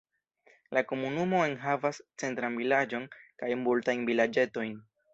La komunumo enhavas centran vilaĝon kaj multajn vilaĝetojn.